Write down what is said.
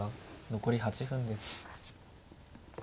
残り８分です。